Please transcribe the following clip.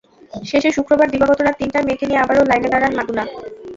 শেষে শুক্রবার দিবাগত রাত তিনটায় মেয়েকে নিয়ে আবারও লাইনে দাঁড়ান মাদুনা।